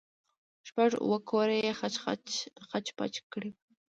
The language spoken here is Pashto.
شپږ اوه كوره يې خچ پچ كړي وو.